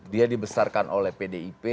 dia dibesarkan oleh pdip